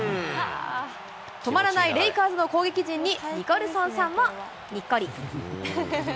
止まらないレイカーズの攻撃陣に、ニコルソンさんもにっこり。